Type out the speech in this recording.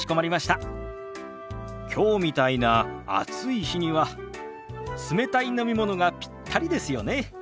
きょうみたいな暑い日には冷たい飲み物がピッタリですよね。